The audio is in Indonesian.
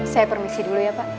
saya permisi dulu ya pak